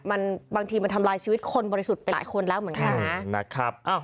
มันบางทีมันทำลายชีวิตคนบริสุทธิ์ไปหลายคนแล้วเหมือนกันนะครับ